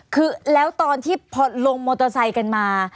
คือแล้วตอนที่พอลงมอเตอร์ไซค์กันมา